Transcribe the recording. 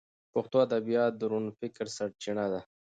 پښتو ادبیات د روڼ فکر سرچینه ده.